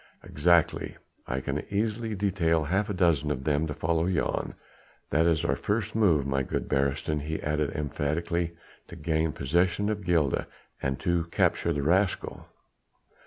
"Exactly. I can easily detail half a dozen of them to follow Jan. That is our first move, my good Beresteyn," he added emphatically, "to gain possession of Gilda, and to capture the rascal.